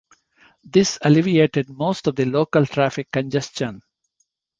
This alleviated most of the local traffic congestion.